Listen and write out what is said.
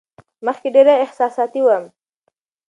مخکې ډېره احساساتي وم.